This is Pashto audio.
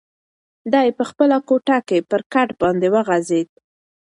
دی په خپله کوټه کې پر کټ باندې وغځېد.